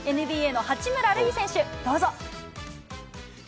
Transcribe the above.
ＮＢＡの八村塁選手、どうぞ。